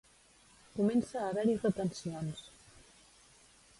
Comença a haver-hi retencions.